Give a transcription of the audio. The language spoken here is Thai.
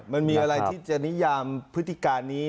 มันมีอะไรที่จะนิยามพฤติการนี้